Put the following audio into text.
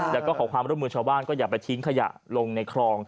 แล้วก็ขอความร่วมมือชาวบ้านก็อย่าไปทิ้งขยะลงในคลอง